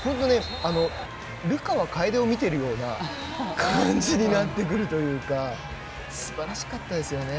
流川楓を見ているような感じになってくるというかすばらしかったですよね。